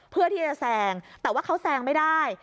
เพื่อที่จะแซงแต่ว่าเขาแซงไม่ได้